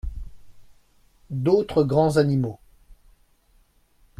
D’autres grands animaux.